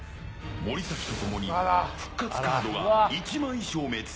森崎と共に復活カードが１枚消滅。